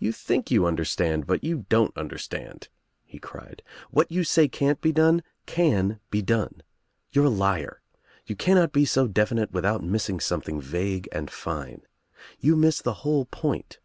"You think you understand, but you don't understand," he cried. "What you say can't be done can be done. You're a liar. You cannot be so definite without missing something vague and fine. You miss the whole point.